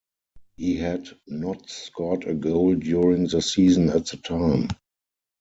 He had not scored a goal during the season at the time.